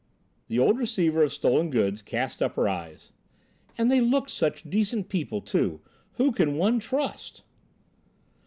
The old receiver of stolen goods cast up her eyes. "And they looked such decent people, too! Who can one trust?"